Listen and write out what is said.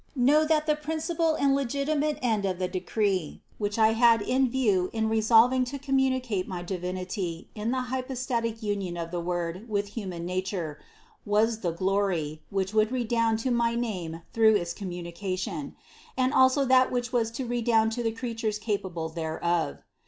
75 76 CITY OF GOD Know, that the principal and legitimate end of the decree, which I had in view in resolving to communicate my Divinity in the hypostatic union of the Word with human nature, was the glory, which would redound to my name through this communication, and also that which was to redound to the creatures capable thereof.